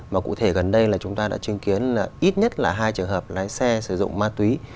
mà cụ thể gần đây là chúng ta đã chứng kiến là ít nhất là hai trường hợp lái xe sử dụng ma túy